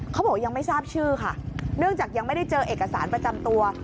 เขาบอกยังไม่ทราบชื่อค่ะเนื่องจากยังไม่ได้เจอเอกสารประจำตัว